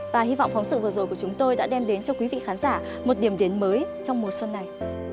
và hy vọng phóng sự vừa rồi của chúng tôi đã đem đến cho quý vị khán giả một điểm đến mới trong mùa xuân này